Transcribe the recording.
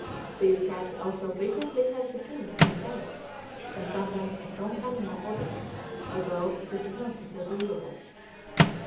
These cats also frequently have the kink in the tail, and sometimes a strong animal odor, although this is not disagreeable.